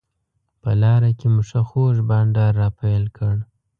په لاره کې مو ښه خوږ بانډار راپیل کړ.